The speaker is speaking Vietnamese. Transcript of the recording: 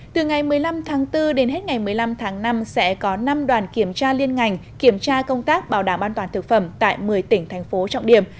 từ ngày một mươi năm tháng bốn đến hết ngày một mươi năm tháng năm sẽ có năm đoàn kiểm tra liên ngành kiểm tra công tác bảo đảm an toàn thực phẩm tại một mươi tỉnh thành phố trọng điểm